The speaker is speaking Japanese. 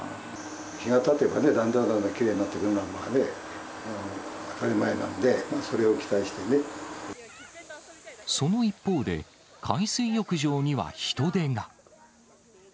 日がたてば、だんだんだんだんきれいになってくるのが当たり前なんで、それをその一方で、海水浴場には人出が。